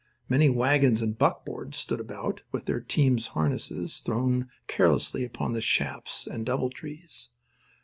Many wagons and buckboards stood about with their teams' harness thrown carelessly upon the shafts and doubletrees.